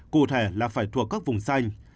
cụ thể là phải thuộc các vùng xanh